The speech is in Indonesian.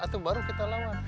itu baru kita lawan